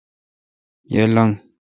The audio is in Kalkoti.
یہ۔ لنگ